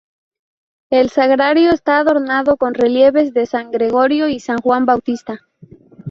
El sagrario está adornado con relieves de San Gregorio y San Juan Bautista.